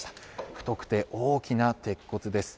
太くて大きな鉄骨です。